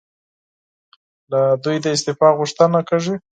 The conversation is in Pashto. له دوی د استعفی غوښتنه کېږي.